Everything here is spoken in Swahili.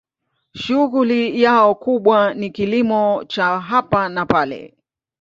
Shughuli yao kubwa ni kilimo cha hapa na pale.